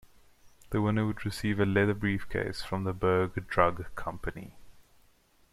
The winner would receive a leather briefcase from the Berg Drug Company.